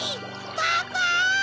パパ！